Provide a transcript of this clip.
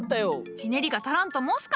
ひねりが足らんと申すか。